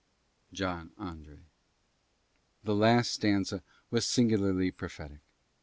JOHN ANDRÉ. The last stanza was singularly prophetic.